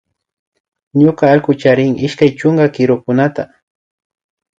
Ñuka allku charin ishkay chunka kirukunata